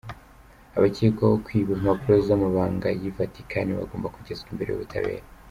Abakekwaho kwiba impapuro z’amabanga y’i Vatikani bagomba kugezwa imbere y’ubutabera